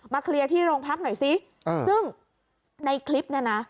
เคลียร์ที่โรงพักหน่อยสิซึ่งในคลิปเนี่ยนะ